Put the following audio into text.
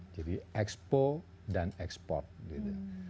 jadi ekspo dan ekspor gitu